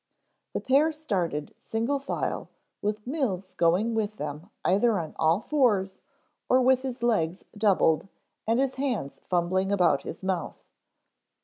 The pair started single file with Mills going with them either on all fours or with his legs doubled and his hands fumbling about his mouth.